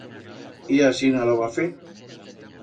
Y asina lo va fer.